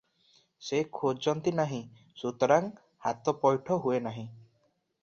ସେ ଖୋଜନ୍ତି ନାହିଁ, ସୁତରାଂ ହାତ ପୈଠ ହୁଏ ନାହିଁ ।